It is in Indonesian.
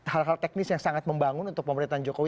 hal hal teknis yang sangat membangun untuk pemerintahan jokowi